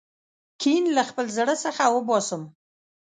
کین له خپل زړه څخه وباسم.